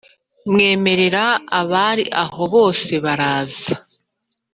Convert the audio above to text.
mwemerera bari aho bose baraza